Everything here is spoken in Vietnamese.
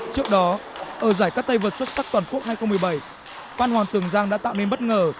trước đó ở giải các tay vượt xuất sắc toàn quốc hai nghìn một mươi bảy phan hoàng tường giang đã tạo nên bất ngờ